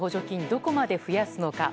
どこまで増やすのか。